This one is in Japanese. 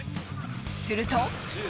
すると。